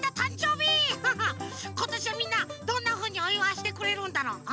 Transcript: ことしはみんなどんなふうにおいわいしてくれるんだろう。